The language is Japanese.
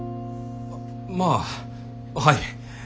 まあはい。